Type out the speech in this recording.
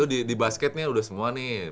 jadi lu di basketnya udah semua nih